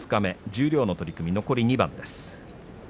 十両の取組、残り２番です。